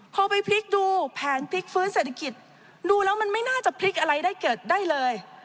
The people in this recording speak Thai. พอไปพลิกดูแผนพลิกฟื้นเศรษฐกิจดูแล้วมันไม่น่าจะพลิกอะไรได้เกิดได้เลย